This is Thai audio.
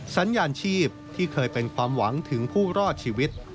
สัญญาณชีพที่เคยเป็นความหวังถึงผู้รอดชีวิต